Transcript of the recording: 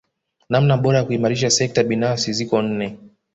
Namna bora ya kuimarisha sekta binafsi ziko nne